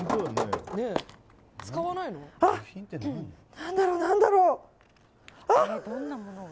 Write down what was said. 何だろう、何だろう。